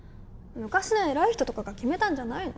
昔の偉い人とかが決めたんじゃないの？